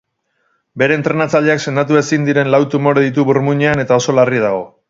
Bere entrenatzaileak sendatu ezin diren lau tumore ditu burmuinean eta oso larri dago.